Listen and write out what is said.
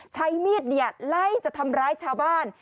ใช้มีดไล่จะทำร้ายชาวบ้าน